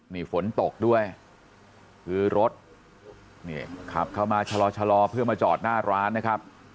นี่ฝนตกด้วยคือรถนี่ขับเข้ามาชะลอเพื่อมาจอดหน้าร้านนะครับ